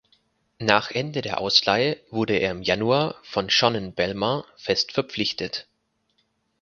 Nach Ende der Ausleihe wurde er im Januar von Shonan Bellmare fest verpflichtet.